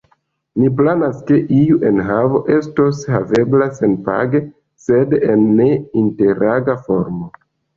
Ni planas, ke iu enhavo estos havebla senpage, sed en ne-interaga formo.